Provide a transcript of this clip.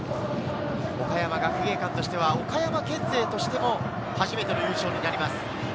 岡山学芸館としては岡山県勢としても初めての優勝になります。